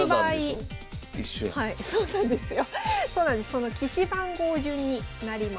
その棋士番号順になります。